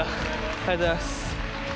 ありがとうございます。